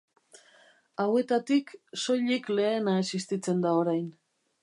Hauetatik, soilik lehena existitzen da orain.